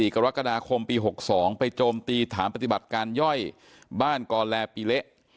กรกฎาคมปี๖๒ไปโจมตีฐานปฏิบัติการย่อยบ้านกอแลปีเละ